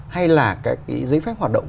hay là cái giấy phép hoạt động